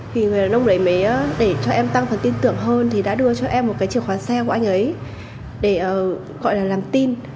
thì người đàn ông đấy mới để cho em tăng phần tin tưởng hơn thì đã đưa cho em một cái chìa khóa xe của anh ấy để gọi là làm tin